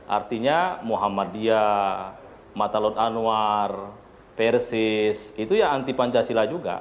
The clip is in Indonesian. artinya muhammadiyah matalot anwar persis itu ya anti pancasila juga